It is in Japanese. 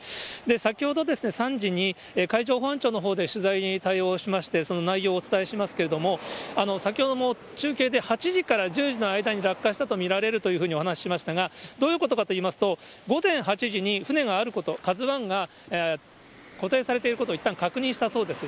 先ほど、３時に海上保安庁のほうで取材に対応しまして、その内容をお伝えしますけれども、先ほども中継で８時から１０時の間に落下したと見られるというふうにお話ししましたが、どういうことかと言いますと、午前８時に船があること、ＫＡＺＵＩが固定されていること、いったん確認したそうです。